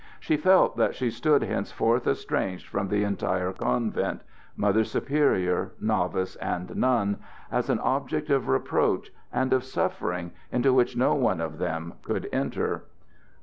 She felt that she stood henceforth estranged from the entire convent Mother Superior, novice, and nun as an object of reproach, and of suffering into which no one of them could enter.